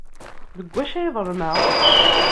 Deg wacu ay ḍelmeɣ?